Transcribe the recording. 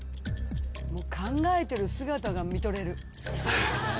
考えてる姿が見とれる。